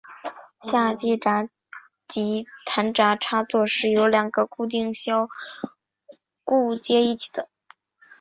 下机匣及弹匣插座是由两个固定销固接在一起。